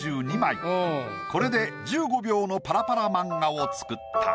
これで１５秒のパラパラ漫画を作った。